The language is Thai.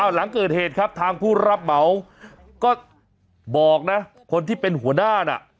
หลังเกิดเหตุครับทางผู้รับเหมาก็บอกนะคนที่เป็นหัวหน้าน่ะ